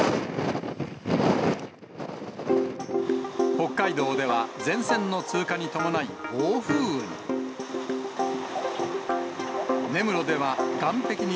北海道では前線の通過に伴い、暴風雨に。